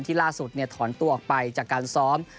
ล่าสุดถอนตัวออกไปจากการซ้อม